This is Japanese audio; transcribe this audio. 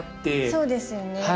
そうですよね。